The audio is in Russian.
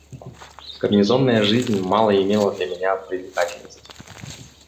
Гарнизонная жизнь мало имела для меня привлекательности.